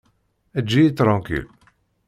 Eǧǧ-iyi ṭranklil!